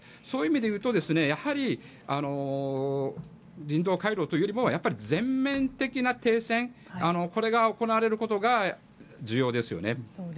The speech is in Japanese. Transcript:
そういう意味で言うとやはり、人道回廊というよりもやっぱり全面的な停戦これが行われることが重要ですよね。